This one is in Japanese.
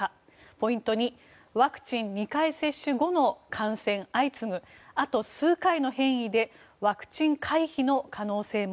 ポイント２ワクチン２回接種後の感染相次ぐあと数回の変異でワクチン回避の可能性も。